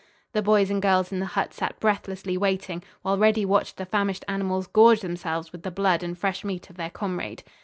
The boys and girls in the hut sat breathlessly waiting, while Reddy watched the famished animals gorge themselves with the blood and fresh meat of their comrade.